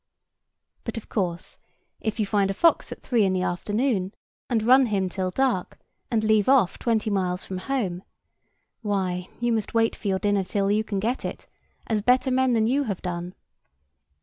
But, of course, if you find a fox at three in the afternoon and run him till dark, and leave off twenty miles from home, why you must wait for your dinner till you can get it, as better men than you have done.